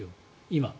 今。